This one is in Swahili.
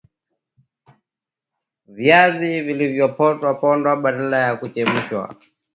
viazi vilivyopondwa pondwa baada ya kuchemshwa